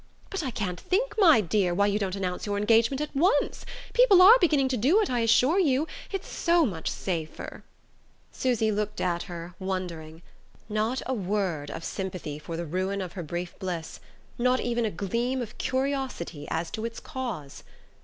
"But I can't think, my dear, why you don't announce your engagement at once. People are beginning to do it, I assure you it's so much safer!" Susy looked at her, wondering. Not a word of sympathy for the ruin of her brief bliss, not even a gleam of curiosity as to its cause!